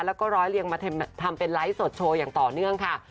แล้วก็ร้อยเรียงมาทำเป็นไลฟ์สดโชว์อย่างต่อเนื่องค่ะ